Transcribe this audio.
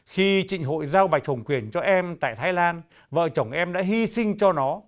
khi trịnh hội giao bạch hồng quyền cho em tại thái lan vợ chồng em đã hy sinh cho nó